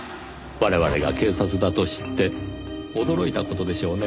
我々が警察だと知って驚いた事でしょうね。